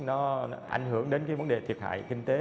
nó ảnh hưởng đến cái vấn đề thiệt hại kinh tế